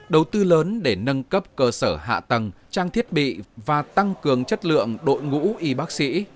đầu tư lớn để nâng cấp cơ sở hạ tầng trang thiết bị và tăng cường chất lượng đội ngũ y bác sĩ